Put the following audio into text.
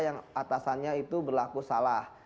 atasannya itu berlaku salah